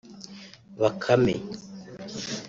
‘Bakame’